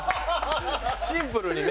シンプルにね。